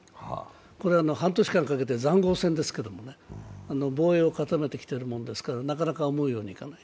これは半年間かけて塹壕戦ですけれども、防衛を固めてきてるもんですからなかなかうまいこといかない。